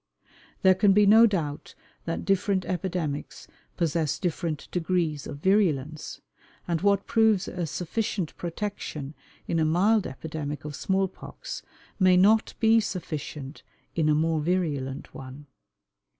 There can be no doubt that different epidemics possess different degrees of virulence, and what proves a sufficient protection in a mild epidemic of small pox may not be sufficient in a more virulent one.